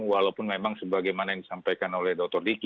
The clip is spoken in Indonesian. walaupun memang sebagaimana yang disampaikan oleh dr diki